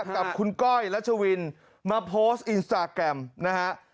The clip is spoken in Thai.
กับคุณก้อยรัชวินมาโพสต์อินสตาแกรมนะฮะ